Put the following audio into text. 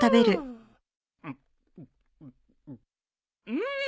うん！